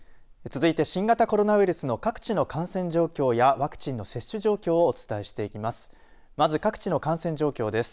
続いて新型コロナウイルスの各地の感染状況やワクチンの接種状況をお伝えしていきます。